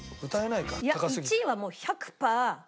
いや１位はもう１００パー